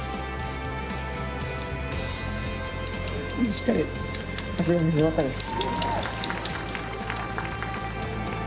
しっかり走りをよかったです。